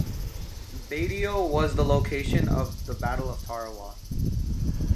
Betio was the location of the Battle of Tarawa.